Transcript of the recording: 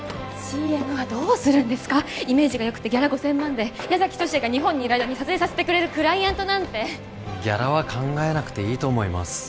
ＣＭはどうするんですかイメージがよくてギャラ５０００万で矢崎十志也が日本にいる間に撮影させてくれるクライアントなんてギャラは考えなくていいと思います